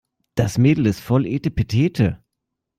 Das Mädel ist voll etepetete.